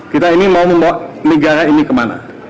kita ini mau membawa negara ini kemana